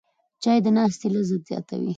چای د ناستې لذت زیاتوي